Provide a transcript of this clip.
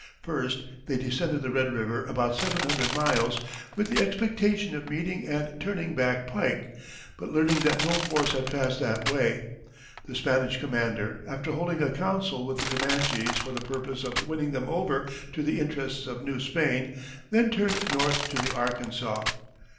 First they descended the Red River about seven hundred miles, with the expectation of meeting and turning back Pike, but learned that no force had passed that way. The Spanish commander, after holding a council with the Comanches for the purpose of winning them over to the interests of New Spain, then turned north to the Arkansas.